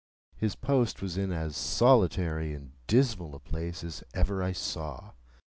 His post was in as solitary and dismal a place as ever I saw.